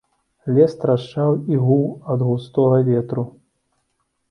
Лес трашчаў і гуў ад густога ветру.